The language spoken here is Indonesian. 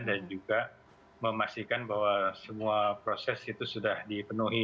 dan juga memastikan bahwa semua proses itu sudah dipenuhi